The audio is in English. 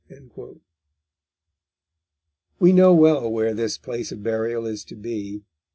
We know well where this place of burial is to be.